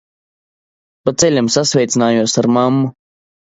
Pa ceļam sasveicinājos ar mammu.